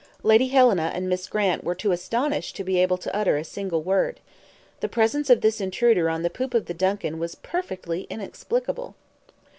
Lady Helena and Miss Grant were too astonished to be able to utter a single word. The presence of this intruder on the poop of the DUNCAN was perfectly inexplicable.